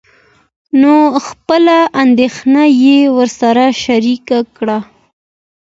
نو خپله اندېښنه يې ورسره شريکه کړه.